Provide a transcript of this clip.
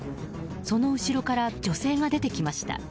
その後ろから女性が出てきました。